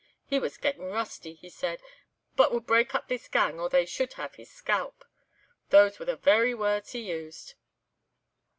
'He was getting rusty,' he said, 'but would break up this gang or they should have his scalp.' These were the very words he used.